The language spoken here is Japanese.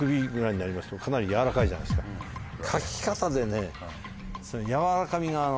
書き方でね。